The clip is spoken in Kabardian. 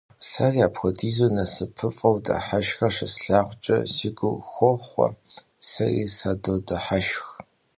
Seri, apxuedizu nasıpıf'eu dıheşşxxer şıslhağuç'e, si gur xoxhue, seri sadodıheşşx.